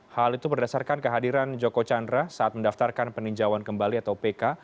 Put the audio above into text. hal itu berdasarkan kehadiran joko chandra saat mendaftarkan peninjauan kembali atau pk